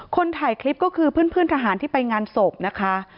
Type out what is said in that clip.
ถ่ายคลิปก็คือเพื่อนทหารที่ไปงานศพนะคะ